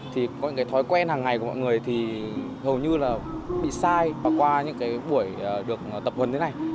thì có những thói quen hàng ngày của mọi người thì hầu như là bị sai qua những buổi được tập huấn thế này